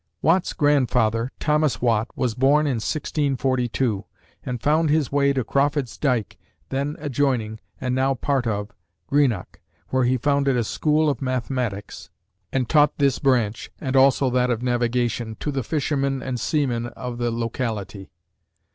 Watt's grandfather, Thomas Watt, was born in 1642, and found his way to Crawford's Dyke, then adjoining, and now part of, Greenock, where he founded a school of mathematics, and taught this branch, and also that of navigation, to the fishermen and seamen of the locality.